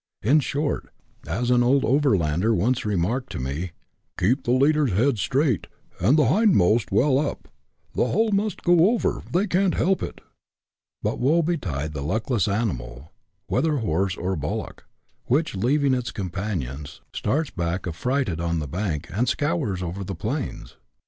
In short, as an old overlander once remarked to me, " keep the leaders' heads straight, and the hindmost well up, the whole must go over ; they can't help it." But woe betide the luckless animal, whether horse or bul lock, which, leaving its companions, starts back affrighted on the bank, and scours over the plains